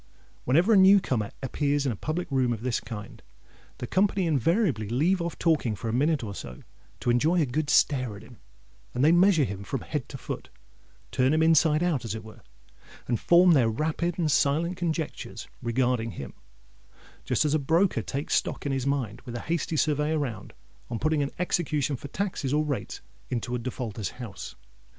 Whenever a new comer appears in a public room of this kind, the company invariably leave off talking for a minute or so, to enjoy a good stare at him; and they measure him from head to foot—turn him inside out, as it were—and form their rapid and silent conjectures regarding him, just as a broker "takes stock" in his mind, with a hasty survey around, on putting an execution for taxes or rates into a defaulter's house.